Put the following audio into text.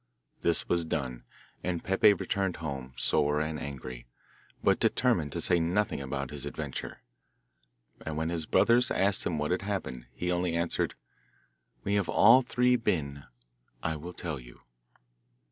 This was done, and Peppe returned home, sore and angry, but determined to say nothing about his adventure. And when his brothers asked him what had happened he only answered, 'When we have all three been I will tell you.